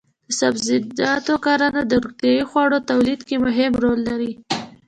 د سبزیجاتو کرنه د روغتیايي خوړو تولید کې مهم رول لري.